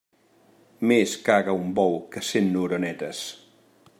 Més caga un bou que cent oronetes.